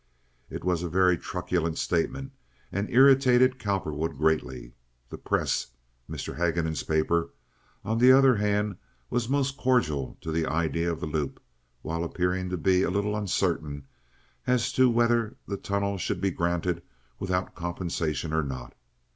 It was a very truculent statement, and irritated Cowperwood greatly. The Press (Mr. Haguenin's paper), on the other hand, was most cordial to the idea of the loop, while appearing to be a little uncertain as to whether the tunnel should be granted without compensation or not.